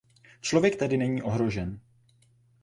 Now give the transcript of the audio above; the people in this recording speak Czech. Člověk tedy není ohrožen.